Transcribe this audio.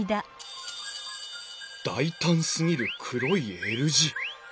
大胆すぎる黒いＬ字。